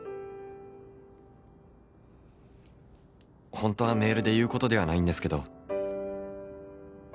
「ホントはメールで言うことではないんですけど」